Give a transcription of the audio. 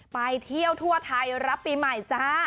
ไปเที่ยวทั่วไทยรับปีใหม่จ้า